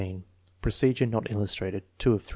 Procedure not illustrated. 2 of 3.)